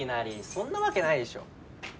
そんなわけないでしょ。